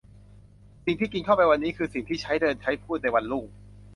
สิ่งที่กินเข้าไปวันนี้ ก็คือสิ่งที่ใช้เดินใช้พูดในวันรุ่ง